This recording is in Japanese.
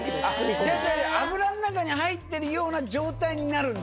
油ん中に入ってるような状態になるんだ。